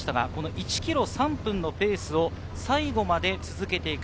１ｋｍ３分のペースを最後まで続けていく。